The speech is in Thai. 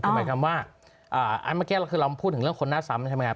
คือหมายความว่าอันเมื่อกี้คือเราพูดถึงเรื่องคนหน้าซ้ำใช่ไหมครับ